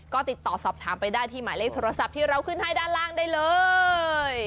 ก็ติดต่อสอบถามไปได้ที่หมายเลขโทรศัพท์ที่เราขึ้นให้ด้านล่างได้เลย